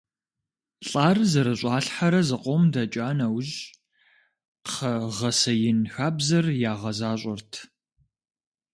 ЛӀар зэрыщӀалъхьэрэ зыкъом дэкӀа нэужь кхъэ гъэсеин хабзэр ягъэзащӀэрт.